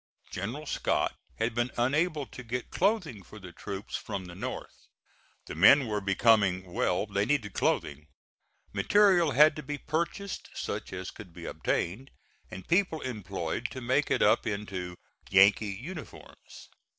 General Scott had been unable to get clothing for the troops from the North. The men were becoming well, they needed clothing. Material had to be purchased, such as could be obtained, and people employed to make it up into "Yankee uniforms."